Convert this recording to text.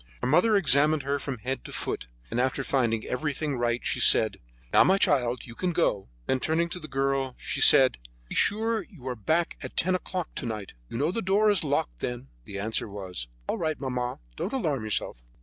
Her mother examined her from head to foot, and, after finding everything right, she said: "Now, my children, you can go." Then turning to the girl, she said: "Be sure you are back by ten o'clock to night; you know the door is locked then." The answer was: "All right, mamma; don't alarm yourself."